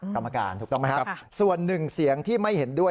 กรรมการถูกต้องไหมครับส่วนหนึ่งเสียงที่ไม่เห็นด้วย